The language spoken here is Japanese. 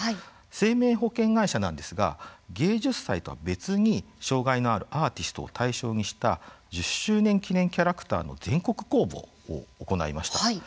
生命保険会社なんですが芸術祭とは別に障害のあるアーティストを対象にした１０周年記念キャラクターの全国公募を行いました。